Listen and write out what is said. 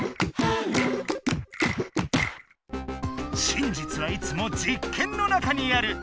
真実はいつも実験の中にある！